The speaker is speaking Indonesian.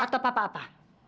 atau papa apa